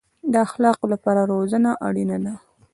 د اخلاقو لپاره روزنه اړین ده